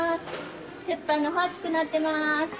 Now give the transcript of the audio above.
鉄板の方熱くなってます。